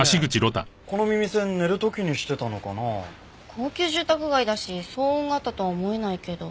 高級住宅街だし騒音があったとは思えないけど。